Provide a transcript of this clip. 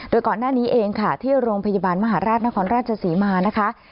โดยก่อนหน้านี้เองค่ะที่โรงพยาบาลมหาราชนครราชศรีมานะคะ